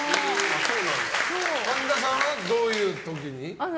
神田さんはどういう時に？